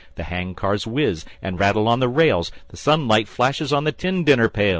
THE HAND CARS WHIZ, AND RATTLE ON THE RAILS, THE SUNLIGHT FLASHES ON THE TIN DINNER PAILS.